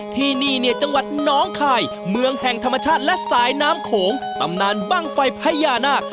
ที่นี่เนี่ยจังหวัดน้องคายเมืองแห่งธรรมชาติและสายน้ำโขงตำนานบ้างไฟพญานาค